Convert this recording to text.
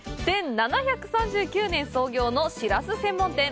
１７３９年創業のしらす専門店。